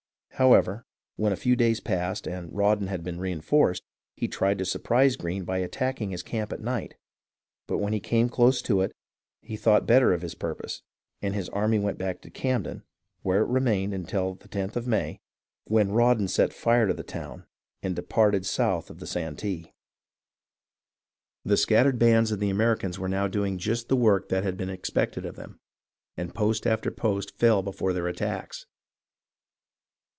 However, when a few days had passed and Rawdon had been reenforced, he tried to surprise Greene by attacking his camp at night ; but when he came close to it, he thought better of his purpose and his army went back to Camden, where it remained until the loth of May, when Rawdon set fire to the town and departed south of the Santee. PAUL JONES CAITUklNG TllK S/^A'.i/V^s (From a paintins; by Chaiipel) GREENE'S WORK IN THE SOUTH 34 1 The scattered bands of the Americans were now doing just the work that had been expected of them, and post after post fell before their attacks.